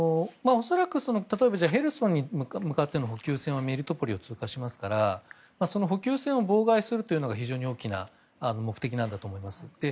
例えばヘルソンに向かっての補給線はメリトポリを通過しますからその補給線を妨害するのが非常に大きな目的だと思います。